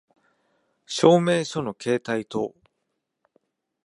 証明書の携帯等